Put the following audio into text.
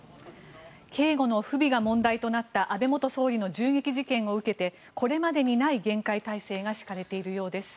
警護の不備が問題となった安倍元総理の銃撃を受けてこれまでにない厳戒態勢が敷かれているようです。